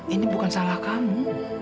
ini bukan salah kamu